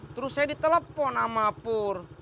terus saya ditelepon sama pur